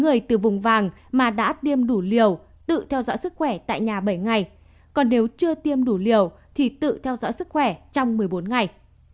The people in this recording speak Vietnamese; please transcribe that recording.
bốn người từ vùng vàng mà đã tiêm đủ liều tự theo dõi sức khỏe tại nhà bảy ngày còn nếu chưa tiêm đủ liều thì tự theo dõi sức khỏe trong một mươi bốn ngày